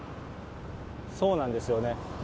そうなんですよね。